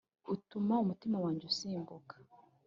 utuma umutima wanjye usimbuka.